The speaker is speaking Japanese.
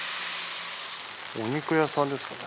お肉屋さんですかね。